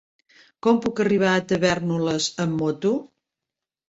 Com puc arribar a Tavèrnoles amb moto?